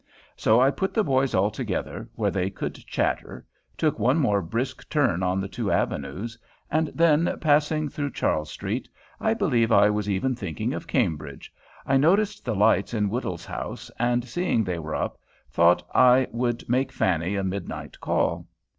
So I put the boys all together, where they could chatter, took one more brisk turn on the two avenues, and then, passing through Charles Street, I believe I was even thinking of Cambridge, I noticed the lights in Woodhull's house, and, seeing they were up, thought I would make Fanny a midnight call.